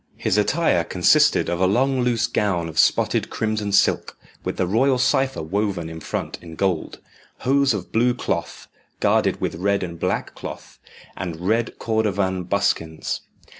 His attire consisted of a long loose gown of spotted crimson silk, with the royal cipher woven in front in gold; hose of blue cloth, guarded with red and black cloth; and red cordovan buskins.